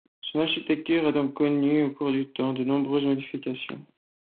Son architecture a donc connu, au cours du temps, de nombreuses modifications.